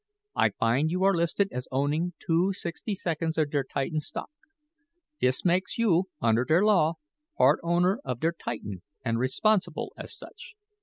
I find you are listed as owning two sixty seconds of der Titan stock. This makes you, under der law, part owner of der Titan, and responsible as such."